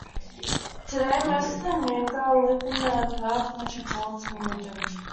Today, most of the Noongar live in the Perth Metropolitan Region.